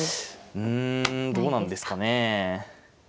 うんどうなんですかね。